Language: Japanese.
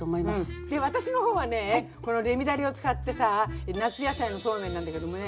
で私の方はねこのレミだれを使ってさ夏野菜のそうめんなんだけどもね